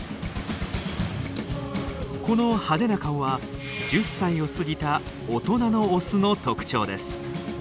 この派手な顔は１０歳を過ぎた大人のオスの特徴です。